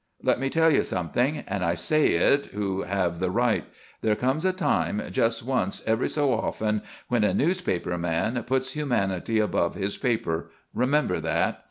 "Let me tell you something, and I say it who have the right: there comes a time just once every so often when a newspaper man puts humanity above his paper. Remember that.